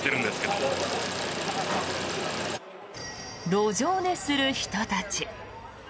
路上寝する人たち。